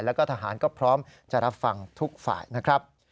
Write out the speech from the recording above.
แล้วก็ทหารก็พร้อมจะรับฟังทุกฝ่ายนะครับ